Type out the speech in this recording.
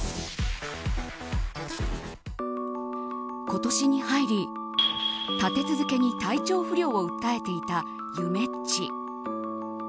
今年に入り立て続けに体調不良を訴えていたゆめっち。